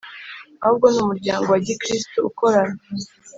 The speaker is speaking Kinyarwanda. ahubwo ni umuryango wa Gikristo ukorana